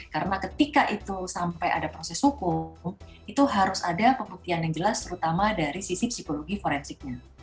karena ketika itu sampai ada proses hukum itu harus ada pembuktian yang jelas terutama dari sisi psikologi forensiknya